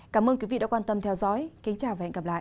cảm ơn quý vị đã quan tâm theo dõi kính chào và hẹn gặp lại